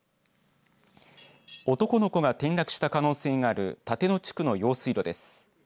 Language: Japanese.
男の子が転落した可能性がある立野地区の用水路です。